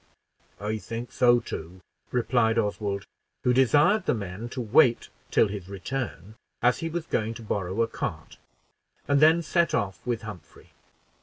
"I think so, too," replied Oswald, who desired the men to wait till his return, as he was going to borrow a cart, and then set off with Humphrey.